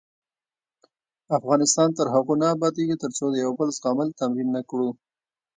افغانستان تر هغو نه ابادیږي، ترڅو د یو بل زغمل تمرین نکړو.